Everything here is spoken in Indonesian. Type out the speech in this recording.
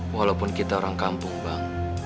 walaupun kita orang kampung bang